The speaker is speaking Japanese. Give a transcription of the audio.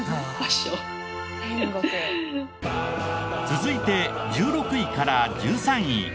続いて１６位から１３位。